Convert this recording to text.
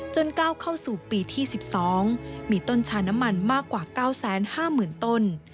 ก้าวเข้าสู่ปีที่๑๒มีต้นชาน้ำมันมากกว่า๙๕๐๐๐ต้น